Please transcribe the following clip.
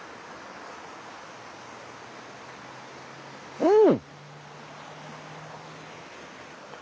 うん！